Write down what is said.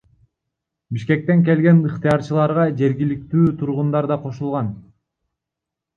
Бишкектен келген ыктыярчыларга жергиликтүү тургундар да кошулган.